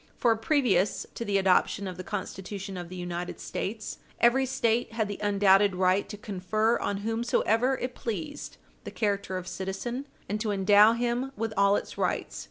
For, previous to the adoption of the Constitution of the United States, every State had the undoubted right to confer on whomsoever it pleased the character of citizen, and to endow him with all its rights.